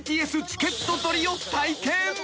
ＢＴＳチケット取りを体験］